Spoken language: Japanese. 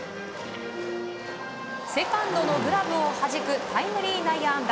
セカンドのグラブをはじきタイムリー内野安打。